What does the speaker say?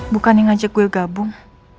bukannya ngajak gue gabung